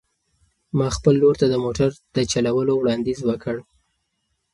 ما خپل ورور ته د موټر د چلولو وړاندیز وکړ.